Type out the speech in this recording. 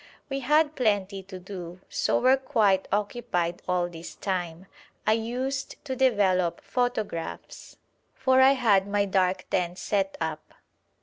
We had plenty to do, so were quite occupied all this time. I used to develop photographs, for I had my dark tent set up.